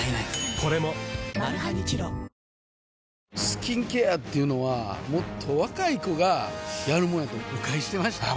スキンケアっていうのはもっと若い子がやるもんやと誤解してました